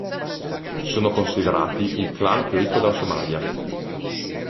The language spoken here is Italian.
Sono considerati il clan più ricco della Somalia.